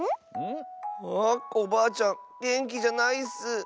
あコバアちゃんげんきじゃないッス。